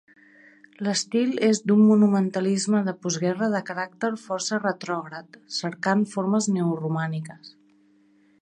L'estil és d'un monumentalisme de postguerra de caràcter força retrògrad, cercant formes neoromàniques.